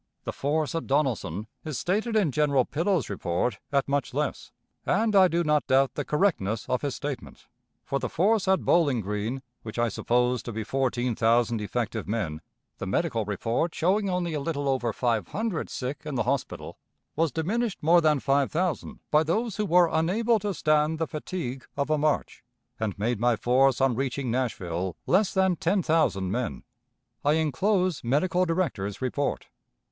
The force at Donelson is stated in General Pillow's report at much less, and I do not doubt the correctness of his statement, for the force at Bowling Green, which I supposed to be fourteen thousand effective men (the medical report showing only a little over five hundred sick in the hospital), was diminished more than five thousand by those who were unable to stand the fatigue of a march, and made my force on reaching Nashville less than ten thousand men. I inclose medical director's report.